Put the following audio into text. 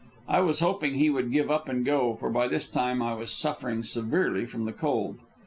I was hoping he would give up and go, for by this time I was suffering severely from the cold.